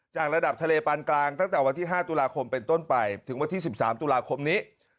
จากระดับทะเลปานกลางตั้งแต่วันที่๕ตุลาคมเป็นต้นไปถึงวันที่๑๓ตุลาคมนี้